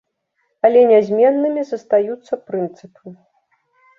Але нязменнымі застаюцца прынцыпы.